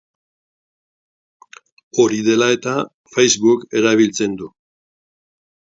Hori dela eta, Facebook erabiltzen du.